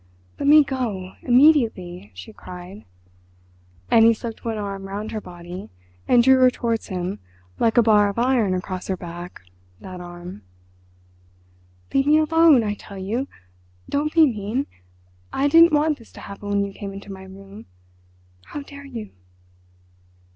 "Let me go—immediately!" she cried—and he slipped one arm round her body, and drew her towards him—like a bar of iron across her back—that arm. "Leave me alone! I tell you. Don't be mean! I didn't want this to happen when you came into my room. How dare you?"